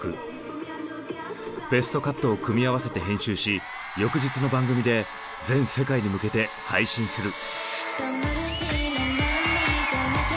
ベストカットを組み合わせて編集し翌日の番組で全世界に向けて配信する。